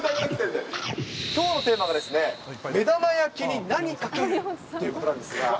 きょうのテーマは、目玉焼きに何かける？ということなんですが。